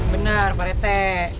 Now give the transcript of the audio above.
benar pak rete